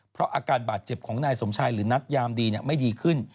เพราะอาการบาดเจ็บของนายสมชายหรือนัทยามดีไม่ดีขึ้น